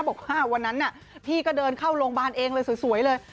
บอกว่าวันนั้นพี่ก็เดินเข้าโรงพยาบาลเองเลยสวยเลย